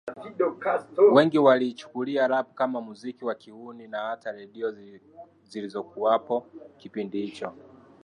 Wengi waliichukulia Rap kama muziki wa kihuni na hata redio zilizokuwapo kipindi hicho